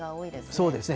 そうですね。